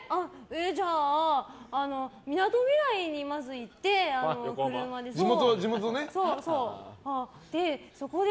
じゃあみなとみらいにまず行って地元ね。